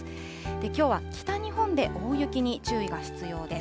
きょうは北日本で大雪に注意が必要です。